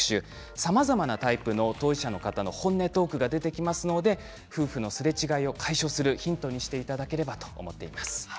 さまざまなタイプの当事者の方の本音トークが出てきますので夫婦のすれ違いを解消するヒントにしていただければと思っています。